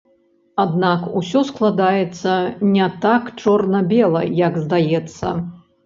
Аднак усё складаецца не так чорна-бела, як здаецца.